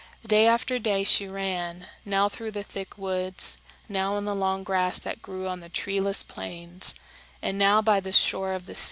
Day after day she ran, now through the thick woods, now in the long grass that grew on the treeless plains, and now by the shore of the sea.